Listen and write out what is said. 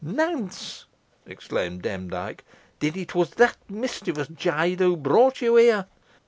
"Nance!" exclaimed Demdike, "then it was that mischievous jade who brought you here."